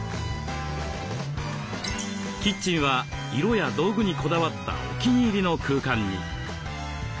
キッチンは色や道具にこだわったお気に入りの空間に。